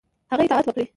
هغه اطاعت وکړي.